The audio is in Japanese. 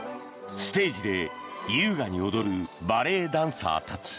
ステージで優雅に踊るバレエダンサーたち。